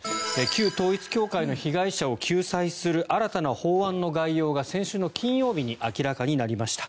旧統一教会の被害者を救済する新たな法案の概要が先週の金曜日に明らかになりました。